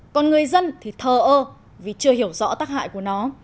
còn người dân thì thờ ơ vì chưa hiểu rõ tác hại của nó